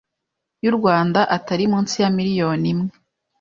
y’u Rwanda atari munsi ya miliyoni imwe,